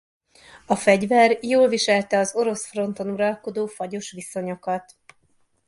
A fegyver jól viselte az orosz fronton uralkodó fagyos viszonyokat.